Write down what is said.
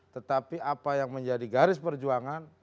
tetapi apa yang menjadi garis perjuangan